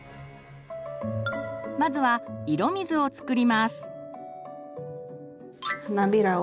まずは色水を作ります。